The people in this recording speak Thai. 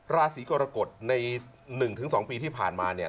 ราศีกรกฎใน๑๒ปีที่ผ่านมาเนี่ย